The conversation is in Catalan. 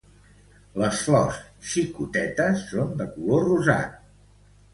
Les flors xicotetes són de color rosat.